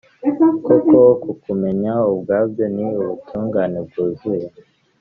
Koko kukumenya ubwabyo, ni ubutungane bwuzuye,